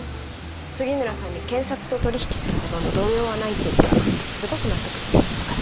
杉村さんに検察と取り引きするほどの度量はないって言ったらすごく納得していましたから。